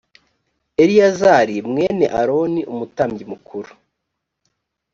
eleyazari mwene aroni umutambyi mukuru